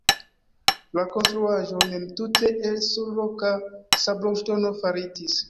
La konstruaĵo mem tute el surloka sabloŝtono faritis.